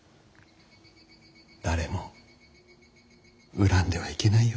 誰も恨んではいけないよ。